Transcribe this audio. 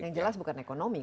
yang jelas bukan ekonomi